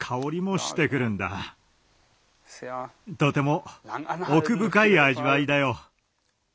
とても奥深い味わいだよ。